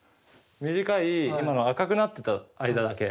短い今の赤くなってた間だけ。